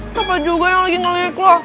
siapa juga yang lagi ngeliat lu